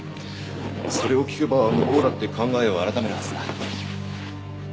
それを聞けば向こうだって考えを改めるはずだ。